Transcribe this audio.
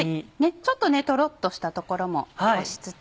ちょっとトロっとしたところも残しつつ。